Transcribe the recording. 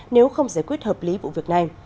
nếu không giải quyết hợp lý vụ việc này